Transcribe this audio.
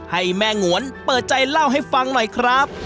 ให้แม่งวนเปิดใจเล่าให้ฟังหน่อยครับ